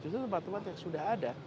justru tempat tempat yang sudah ada